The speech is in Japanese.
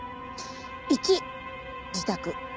１自宅。